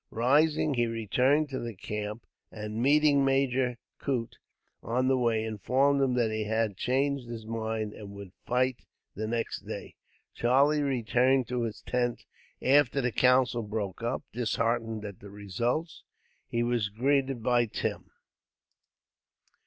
Rising, he returned to the camp; and, meeting Major Coote on the way, informed him that he had changed his mind, and would fight the next day. Charlie returned to his tent after the council broke up, disheartened at the result. He was greeted by Tim.